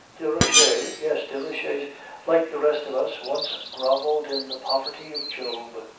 "Desroches?" "Yes. Desroches, like the rest of us, once groveled in the poverty of Job.